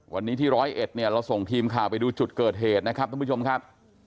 วันนี้ที่ร้อยเอ็ดเนี่ยเราส่งทีมข่าวไปดูจุดเกิดเหตุนะครับท่านผู้ชมครับ